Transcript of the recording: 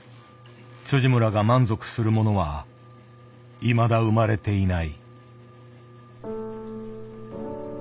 村が満足するものはいまだ生まれていない。